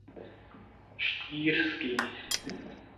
Štýrský.